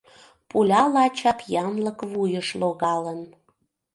Пуля лачак янлык вуйыш логалын.